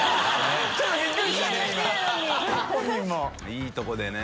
いいとこでね。